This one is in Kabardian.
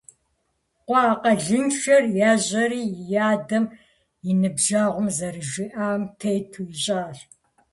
Къуэ акъылыншэр ежьэри и адэм и ныбжьэгъум зэрыжиӀам тету ищӀащ.